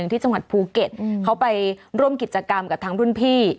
ที่จังหวัดภูเก็ตเขาไปร่วมกิจกรรมกับทางรุ่นพี่